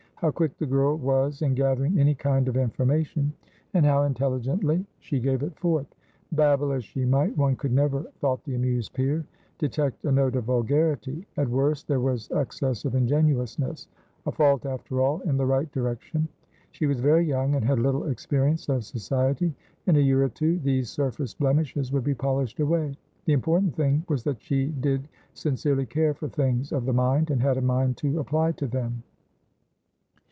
How quick the girl was in gathering any kind of information! And how intelligently she gave it forth! Babble as she might, one could never (thought the amused peer) detect a note of vulgarity; at worst, there was excess of ingenuousness; a fault, after all, in the right direction. She was very young, and had little experience of Society; in a year or two these surface blemishes would be polished away. The important thing was that she did sincerely care for things of the mind, and had a mind to apply to them.